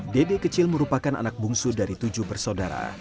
dede kecil merupakan anak bungsu dari tujuh bersaudara